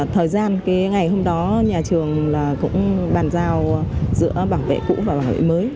thời gian cái ngày hôm đó nhà trường cũng bàn giao giữa bảo vệ cũ và bảo vệ mới